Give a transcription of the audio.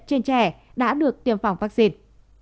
trên trẻ đã được tiêm phòng vaccine